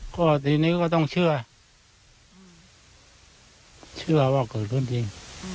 ก็ทีนี้ก็ต้องเชื่อเชื่อว่าเกิดขึ้นจริง